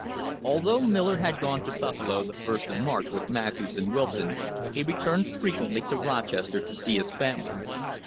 Although Miller had gone to Buffalo the first of March with Matthews and Wilson, he returned frequently to Roches ter to see his family.